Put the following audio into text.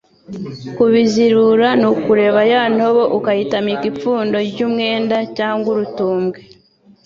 Kubizirura ni ukureba ya ntobo ukayitamika ipfundo ry’umwenda cyangwa urutumbwe